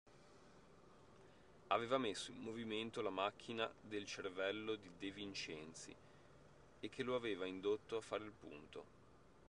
Aveva messo in movimento la macchina del cervello di De Vincenzi e che lo aveva indotto a fare il punto.